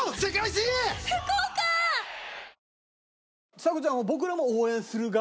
ちさ子ちゃんを。